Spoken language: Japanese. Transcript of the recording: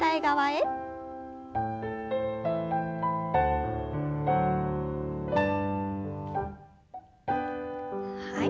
はい。